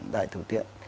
đại thử tiện